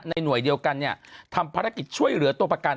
หน่วยเดียวกันเนี่ยทำภารกิจช่วยเหลือตัวประกัน